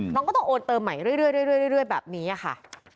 น้องก็ต้องโอนเติมใหม่เรื่อยแบบนี้ค่ะ